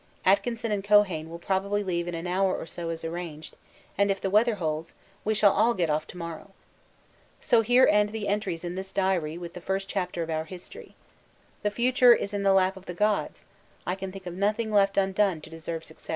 Atkinson and Keohane will probably leave in an hour or so as arranged, and if the weather holds, we shall all get off to morrow. So here end the entries in this diary with the first chapter of our History. The future is in the lap of the gods; I can think of nothing left undone to deserve success.